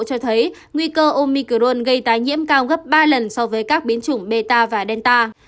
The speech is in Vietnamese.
cho thấy nguy cơ omicron gây tái nhiễm cao gấp ba lần so với các biến chủng bt và delta